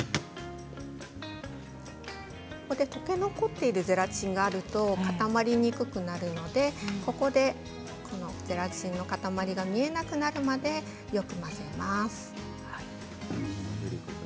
ここで溶け残っているゼラチンがあると固まりにくくなるのでゼラチンの塊が見えなくなるまでよく混ぜます。